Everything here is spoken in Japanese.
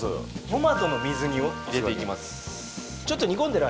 トマトの水煮を入れていきます